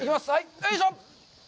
よいしょっ。